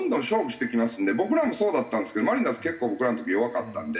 僕らもそうだったんですけどマリナーズ結構僕らの時弱かったんで。